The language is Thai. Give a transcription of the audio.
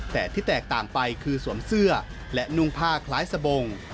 แต่ที่แตกต่างไปคือสวมเสื้อและนุ่งผ้าคล้ายสบง